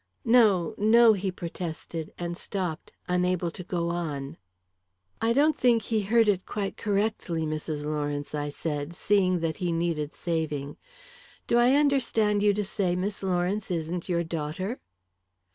"No, no," he protested, and stopped, unable to go on. "I don't think he heard it quite correctly, Mrs. Lawrence," I said, seeing that he needed saving. "Do I understand you to say Miss Lawrence isn't your daughter?"